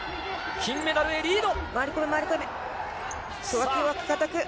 金メダルへリード。